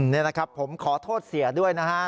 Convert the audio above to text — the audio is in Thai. นี่นะครับผมขอโทษเสียด้วยนะฮะ